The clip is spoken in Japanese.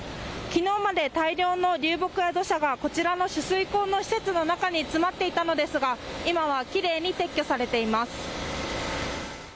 きのうまで大量の流木や土砂がこちらの取水口の施設の中に詰まっていたのですが今はきれいに撤去されています。